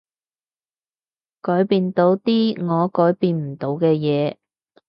改變到啲我改變唔到嘅嘢